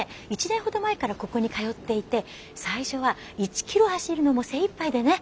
１年ほど前からここに通っていて最初は１キロ走るのも精いっぱいでね。